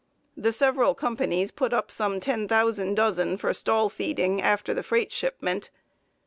The several companies put up some ten thousand dozen for stall feeding after the freight shipment.